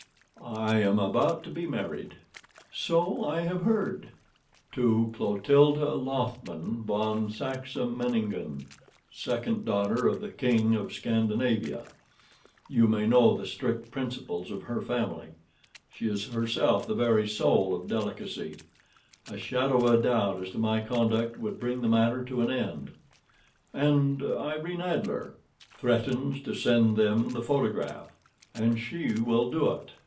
"I am about to be married." "So I have heard." "To Clotilde Lothman von Saxe Meiningen, second daughter of the King of Scandinavia. You may know the strict principles of her family. She is herself the very soul of delicacy. A shadow of a doubt as to my conduct would bring the matter to an end." "And Irene Adler?" "Threatens to send them the photograph. And she will do it.